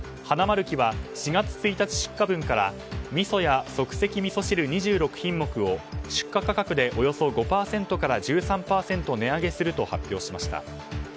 ハナマルキは４月１日出荷分からみそや即席みそ汁、２６品目を出荷価格でおよそ５％から１３％値上げすると発表しました。